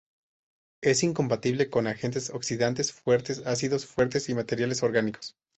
Es incompatible con agentes oxidantes fuertes, ácidos fuertes y materiales orgánicos.